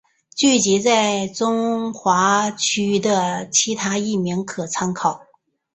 剧集在大中华区的其他译名可参考。